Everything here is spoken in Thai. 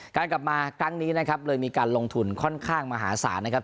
กลับมาครั้งนี้นะครับเลยมีการลงทุนค่อนข้างมหาศาลนะครับ